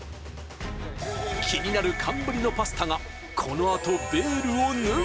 気になる寒ブリのパスタがこのあとベールを脱ぐ！